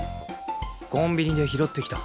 コンビニで拾ってきた。